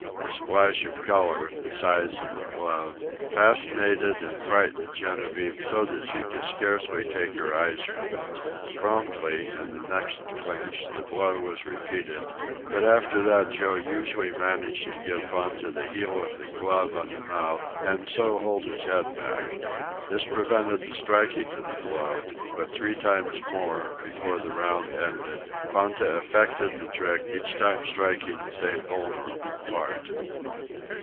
This splash of color, the size of the glove, fascinated and frightened Genevieve so that she could scarcely take her eyes from it. Promptly, in the next clinch, the blow was repeated; but after that Joe usually managed to give Ponta the heel of the glove on the mouth and so hold his head back. This prevented the striking of the blow; but three times more, before the round ended, Ponta effected the trick, each time striking the same vulnerable part.